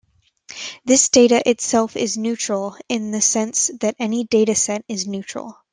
This data itself is "neutral" in the sense that any dataset is neutral.